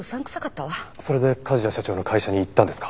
それで梶谷社長の会社に行ったんですか？